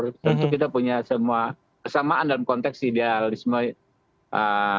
tentu kita punya semua kesamaan dalam konteks idealisme